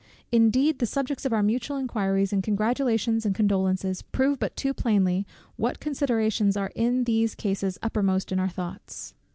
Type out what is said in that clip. Indeed the subjects of our mutual inquiries, and congratulations, and condolences, prove but too plainly what considerations are in these cases uppermost in our thoughts.